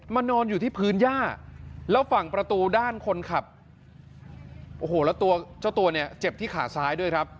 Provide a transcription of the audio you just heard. มานอนอยู่ที่พื้นหญ้าแล้วฝั่งประตูด้านคนขับโอ้โหแล้วตัวเจ็บที่ขาซ้ายด้วยครับ